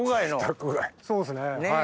そうっすね。